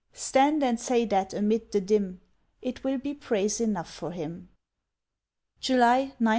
Stand and say that amid the dim: It will be praise enough for him. July 1914.